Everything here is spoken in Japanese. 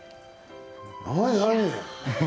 何何？